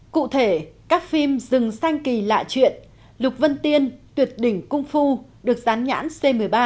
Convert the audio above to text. cụ thể các phim dừng xanh kỳ lạ chuyện lục vân tiên tuyệt đỉnh cung phu được dán nhãn c một mươi ba